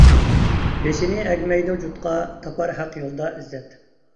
بېشىنى ئەگمەيدۇ جۇتقا، تاپار ھەق يولىدا ئىززەت.